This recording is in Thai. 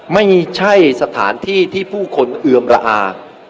ไม่ใช่สถานที่ที่ผู้คนเอือมระอา